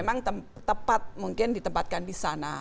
jadi ini kan tepat mungkin ditempatkan di sana